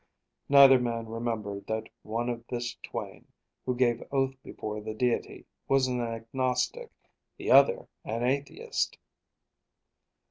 Neither man remembered that one of this twain, who gave oath before the Deity, was an agnostic, the other an atheist!